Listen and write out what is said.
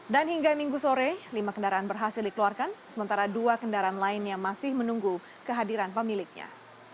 dan hingga minggu sore lima kendaraan berhasil dikeluarkan sementara dua kendaraan lain yang masih menunggu kehadiran pemiliknya